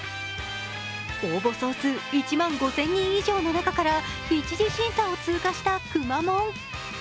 応募総数１万５０００人以上の中から一次審査を通過したくまモン。